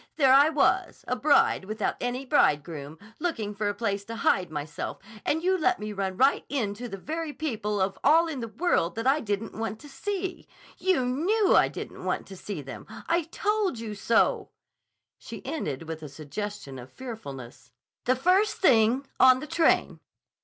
"There I was, a bride without any bridegroom, looking for a place to hide myself and you let me run right into the very people of all in the world that I didn't want to see. You knew I didn't want to see them. I told you so," she ended with a suggestion of fearfulness, "the first thing. On the train."